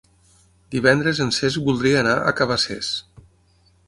Divendres en Cesc voldria anar a Cabacés.